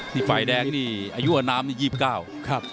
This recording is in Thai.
นี่ฝ่ายแดงนี่อายุอนามนี่๒๙ครับ